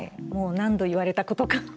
もう何度言われたことか。